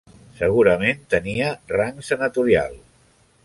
Segurament tenia rang senatorial.